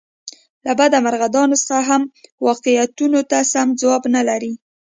له بده مرغه دا نسخه هم واقعیتونو ته سم ځواب نه لري.